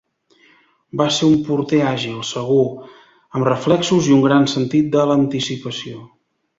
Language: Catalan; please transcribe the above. Va ser un porter àgil, segur, amb reflexos i un gran sentit de l'anticipació.